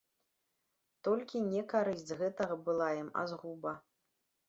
Толькі не карысць з гэтага была ім, а згуба.